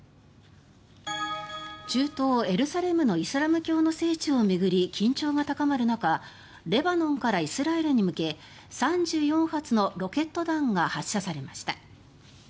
中東エルサレムのイスラム教の聖地を巡り緊張が高まる中レバノンからイスラエルに向け３４発のロケット弾が発射されました。